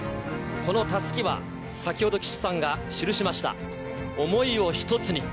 このたすきは、先ほど、岸さんが記しました、想いを一つに！